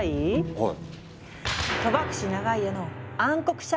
はい！